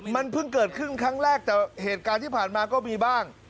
เคลื่อนถั่งครั้งแรกแต่เหตุการณ์ที่ผ่านมาก็มีบ้าง